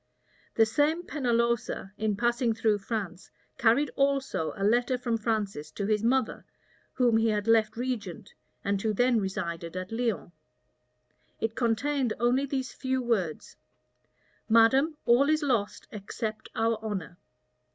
The same Pennalosa, in passing through France, carried also a letter from Francis to his mother, whom he had left regent, and who then resided at Lyons. It contained only these few words: "Madam, all is lost, except our honor."